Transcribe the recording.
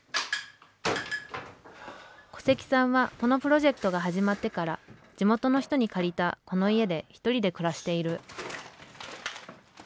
古関さんはこのプロジェクトが始まってから地元の人に借りたこの家で一人で暮らしている。